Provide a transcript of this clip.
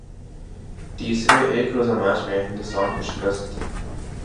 تیسرے ایک روزہ میچ میں ہندوستان کو شکست